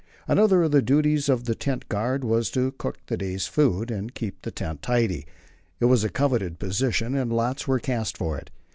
Another of the duties of the tent guard was to cook the day's food and keep the tent tidy. It was a coveted position, and lots were cast for it.